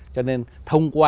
cho nên thông qua